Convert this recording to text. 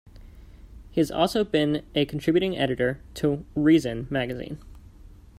He has also been a contributing editor to "Reason" magazine.